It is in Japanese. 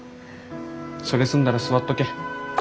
それ済んだら座っとけ。